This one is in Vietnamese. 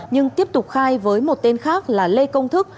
nhưng tiếp tục khai với một tên khác là lê công thức